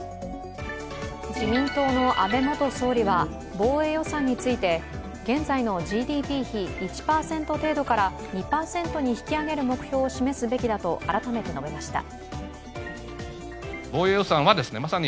自民党の安倍元総理は防衛予算について現在のＧＤＰ費１％程度から、２％に引き上げる目標を示すべきだと改めて述べました。